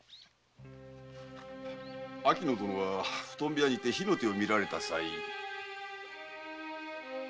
秋野殿は布団部屋にて火の手を見られた際。